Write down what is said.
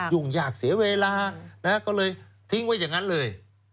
ยุ่งยากเสียเวลานะครับก็เลยทิ้งไว้จากนั้นเลย